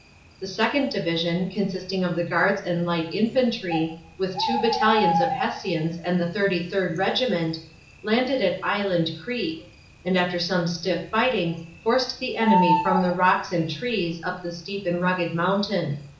The second division, consisting of the guards and light infantry, with two battalions of Hessians and the Thirty third Regiment, landed at Island Creek, and after some stiff fighting forced the enemy from the rocks and trees up the steep and rugged mountain.